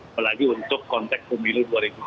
apalagi untuk konteks pemilu dua ribu dua puluh